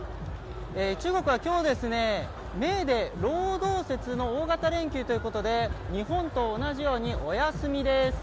中国は今日、メーデー、労働節の大型連休ということで日本と同じようにお休みです。